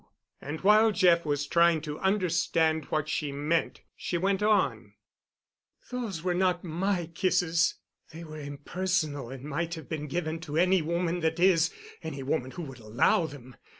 And while Jeff was trying to understand what she meant, she went on: "Those were not my kisses. They were impersonal—and might have been given to any woman—that is, any woman who would allow them.